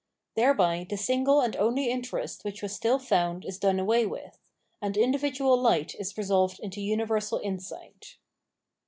Thereby the single and only interest which was still found is done away with ; and individual light is resolved into universal insight.